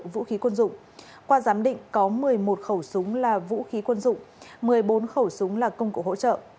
vũ khí quân dụng qua giám định có một mươi một khẩu súng là vũ khí quân dụng một mươi bốn khẩu súng là công cụ hỗ trợ